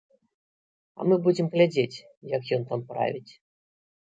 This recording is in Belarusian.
А мы будзем глядзець, як ён там правіць.